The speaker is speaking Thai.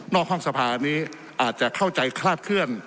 ห้องสภานี้อาจจะเข้าใจคลาดเคลื่อน